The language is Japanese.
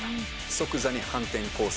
即座に反転攻勢。